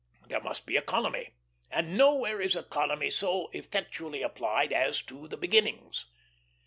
There must be economy, and nowhere is economy so effectually applied as to the beginnings.